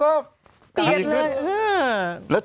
กาดขึ้น